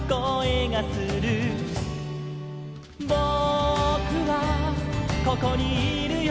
「ぼくはここにいるよ」